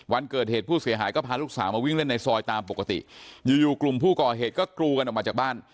วันเกิดเหตุผู้เสียหายก็พาลูกสาวมาวิ่งเล่นในซอยตามปกติอยู่อยู่กลุ่มผู้ก่อเหตุก็กรูกันออกมาจากบ้าน